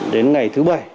đến ngày thứ bảy